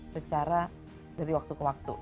secara dari waktu ke waktu